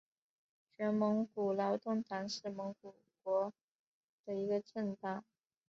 全蒙古劳动党是蒙古国的一个政党。